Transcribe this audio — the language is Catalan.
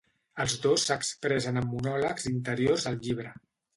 Els dos s'expressen amb monòlegs interiors al llibre.